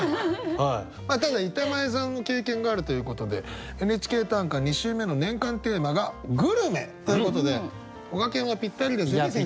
ただ板前さんの経験があるということで「ＮＨＫ短歌」２週目の年間テーマが「グルメ」ということでこがけんはぴったりですね先生。